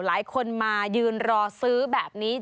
หลายคนมายืนรอซื้อแบบนี้